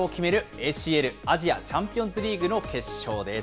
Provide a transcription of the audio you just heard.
ＡＣＬ・アジアチャンピオンズリーグの決勝です。